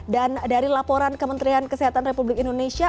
dan dari laporan kementerian kesehatan republik indonesia